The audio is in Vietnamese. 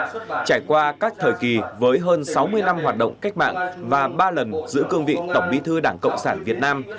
trải qua các thời kỳ với hơn sáu mươi năm hoạt động cách mạng và ba lần giữ cương vị tổng bí thư đảng cộng sản việt nam